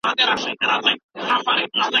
د سندي څيړني اصول باید په دقت رعایت سي.